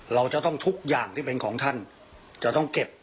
เราจะต้องทุกอย่างที่เป็นของท่านจะต้องเก็บ